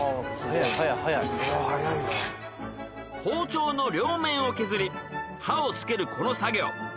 ［包丁の両面を削り刃をつけるこの作業］